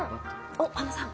おっあのさん。